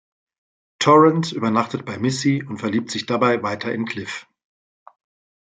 Torrance übernachtet bei Missy und verliebt sich dabei weiter in Cliff.